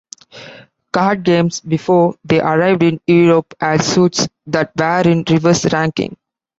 Card games, before they arrived in Europe, had suits that were in reverse ranking.